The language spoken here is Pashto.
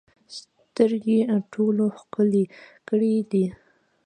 سترګې ټولو ښکلې کړکۍ دي.